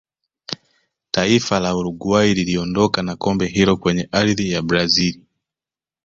taifa la uruguay liliondoka na kombe hilo kwenye ardhi ya brazil